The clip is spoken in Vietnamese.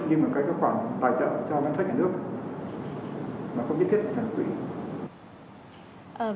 như một cái khoản tài trợ cho ngân sách nhà nước mà không nhất thiết phải thành lập quỹ